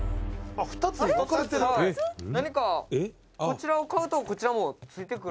「何かこちらを買うとこちらも付いてくる」